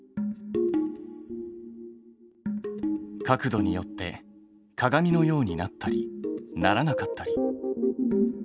角度によって鏡のようになったりならなかったり。